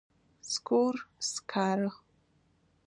سکور، سکارۀ